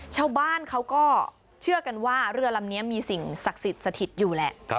ชาวบ้านเขาก็เชื่อกันว่าเรือลำนี้มีสิ่งศักดิ์สิทธิ์สถิตอยู่แหละ